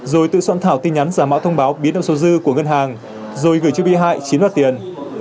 rồi tự soạn thảo tin nhắn giả mạo thông báo biến động số dư của ngân hàng rồi gửi cho bị hại chiếm đoạt tiền